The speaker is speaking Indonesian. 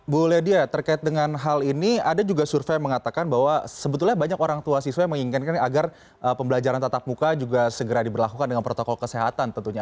bu ledia terkait dengan hal ini ada juga survei yang mengatakan bahwa sebetulnya banyak orang tua siswa yang menginginkan agar pembelajaran tatap muka juga segera diberlakukan dengan protokol kesehatan tentunya